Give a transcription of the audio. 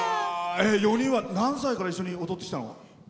４人は何歳から一緒に踊ってきたの？